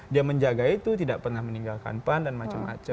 dia menjaga itu tidak pernah meninggalkan pan dan macam macam